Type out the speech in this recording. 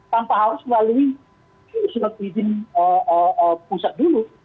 tanpa harus melalui surat izin pusat dulu